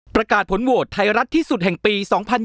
ประกาศผลโหวตไทยรัฐที่สุดแห่งปี๒๐๒๐